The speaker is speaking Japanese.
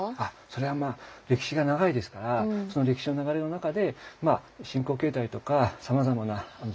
それは歴史が長いですからその歴史の流れの中で信仰形態とかさまざまな環境でですね